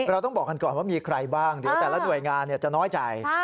เราต้องบอกกันก่อนว่ามีใครบ้างเดี๋ยวแต่ละหน่วยงานจะน้อยใจ